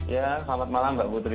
ya selamat malam mbak putri